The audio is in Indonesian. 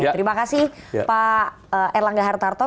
terima kasih pak erlangga hartarto